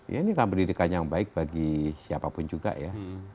ini pendidikan yang baik bagi siapapun juga ya